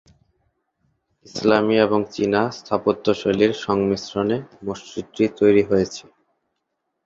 ইসলামি এবং চীনা স্থাপত্যশৈলীর সংমিশ্রণে মসজিদটি তৈরি হয়েছে।